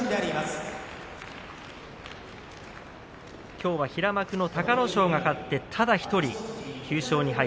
きょうは平幕隆の勝が勝ってただ１人９勝２敗